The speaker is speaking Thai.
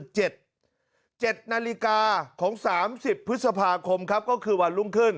๗นาฬิกาของสามสิบพฤษภาคมครับก็คือวันรุ่งขึ้น